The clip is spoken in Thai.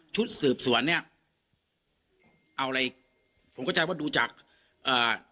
ชุดสืบสวนเนี้ยเอาอะไรผมเข้าใจว่าดูจากเอ่อ